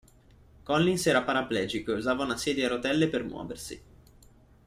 Collins era paraplegico e usava una sedia a rotelle per muoversi.